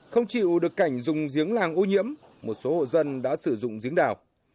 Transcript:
không chịu được cảnh dùng giếng làng ô nhiễm một số hộ dân đã sử dụng giếng đào